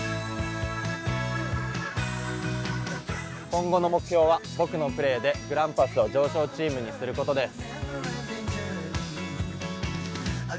今後の目標は、僕のプレーでグランパスを常勝チームにすることです。